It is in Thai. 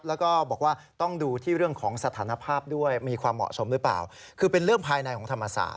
แล้วก็บอกว่าต้องดูที่เรื่องของสถานภาพด้วยมีความเหมาะสมหรือเปล่าคือเป็นเรื่องภายในของธรรมศาส